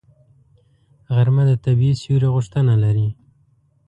غرمه د طبیعي سیوري غوښتنه لري